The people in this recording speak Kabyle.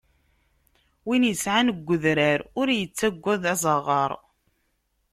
Win yesεan deg d urar ur yettagad azaɣaṛ